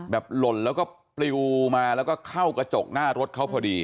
หล่นแล้วก็ปลิวมาแล้วก็เข้ากระจกหน้ารถเขาพอดี